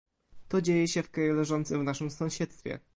To dzieje się w kraju leżącym w naszym sąsiedztwie